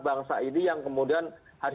bangsa ini yang kemudian